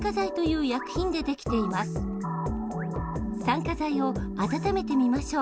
酸化剤を温めてみましょう。